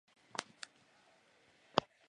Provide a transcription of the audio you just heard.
担任小说插画的是伊东杂音。